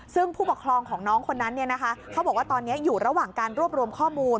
ซึ่งผู้ปกครองของน้องคนนั้นเขาบอกว่าตอนนี้อยู่ระหว่างการรวบรวมข้อมูล